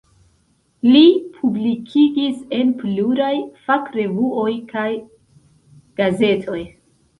Li publikigis en pluraj fakrevuoj kaj gazetoj.